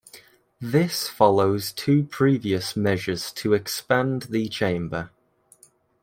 This follows two previous measures to expand the chamber.